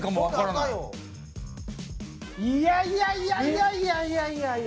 いやいやいやいやいやいやいやいや！